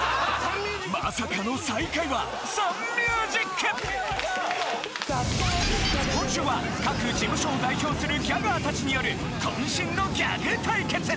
まさかの今週は各事務所を代表するギャガーたちによる渾身のギャグ対決！